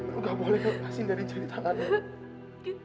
lu gak boleh lepasin dari jari tangan